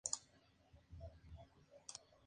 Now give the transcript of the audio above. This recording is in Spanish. Gran parte del barrio es de edificación abierta.